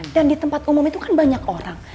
dan di tempat umum itu kan banyak orang